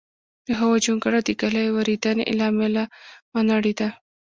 د هغوی جونګړه د ږلۍ وریدېنې له امله ونړېده